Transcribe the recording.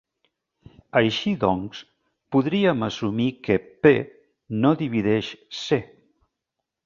Així doncs, podríem assumir que "p" no divideix "c".